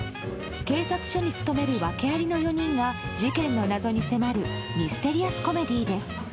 警察署に勤める訳ありの４人が事件の謎に迫るミステリアスコメディーです。